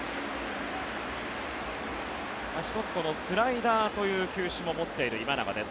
１つ、スライダーという球種も持っている今永です。